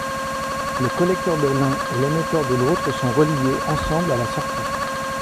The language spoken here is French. Le collecteur de l'un et l'émetteur de l'autre sont reliés ensemble à la sortie.